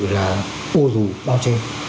là ô rù bao che